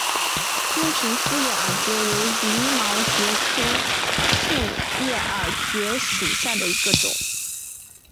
金平复叶耳蕨为鳞毛蕨科复叶耳蕨属下的一个种。